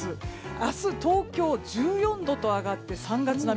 明日、東京１４度と上がって３月並み。